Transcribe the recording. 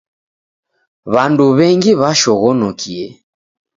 W'andu w'engi w'ashoghonokie